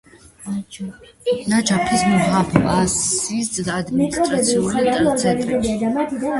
ნაჯაფის მუჰაფაზის ადმინისტრაციული ცენტრი.